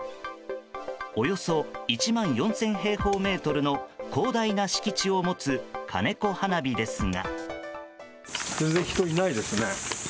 およそ１万４０００平方メートルの広大な敷地を持つ金子花火ですが。